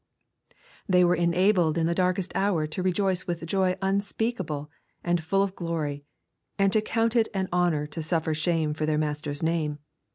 They were enabled in the darkest hour to rejoice with joy unspeakable and full of glory, and to count it an honor to suffer shame for their Masters name.